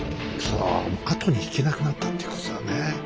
後に引けなくなったっていうことだね。